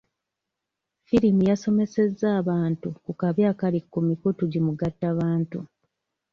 Firimu yasomesezza abantu ku kabi akali ku mikutu gimugattabantu.